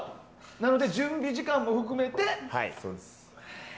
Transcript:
なので、準備時間も含めて。